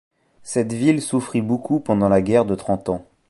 Cette ville souffrit beaucoup pendant la guerre de Trente Ans.